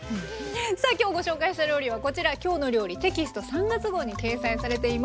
さあ今日ご紹介した料理はこちら「きょうの料理」テキスト３月号に掲載されています。